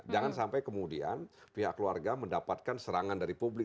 jangan sampai kemudian pihak keluarga mendapatkan serangan dari publik